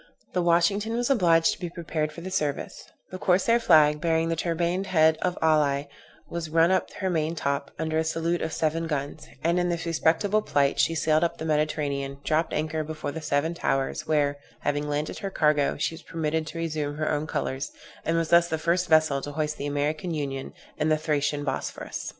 The Washington was obliged to be prepared for the service; the corsair flag, bearing the turbaned head of Ali, was run up to her main top, under a salute of seven guns; and in this respectable plight she sailed up the Mediterranean, dropped anchor before the seven towers, where, having landed her cargo, she was permitted to resume her own colors, and was thus the first vessel to hoist the American Union in the Thracian Bosphorus.